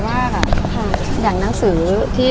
ภาษาสนิทยาลัยสุดท้าย